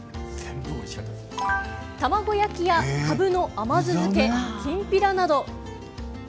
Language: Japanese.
玉子焼きや、カブの甘酢漬けきんぴらなど。